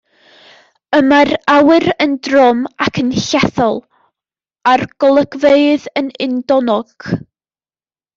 Y mae'r awyr yn drom ac yn llethol, a'r golygfeydd yn undonog.